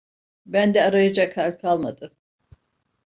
Bende arayacak hal kalmadı.